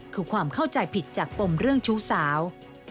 คือความเข้าใจผิดจากปมเรื่องชู้สาว